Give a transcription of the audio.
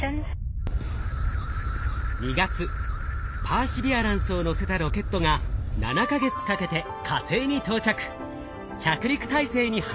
パーシビアランスを載せたロケットが７か月かけて火星に到着。